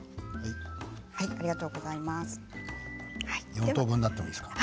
４等分になってもいいですか？